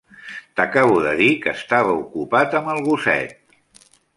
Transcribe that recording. T'acabo de dir que estava ocupat amb el gosset.